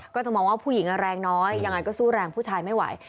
ก็จะมองว่าผู้หญิงแรงน้อยยังไงก็สู้แรงผู้ชายไม่ไหว